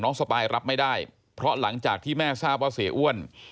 สปายรับไม่ได้เพราะหลังจากที่แม่ทราบว่าเสียอ้วน